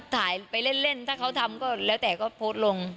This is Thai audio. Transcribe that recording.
ถ่ายไปเล่นถ้าเขาทำก็แล้วแต่ก็โพสต์ลง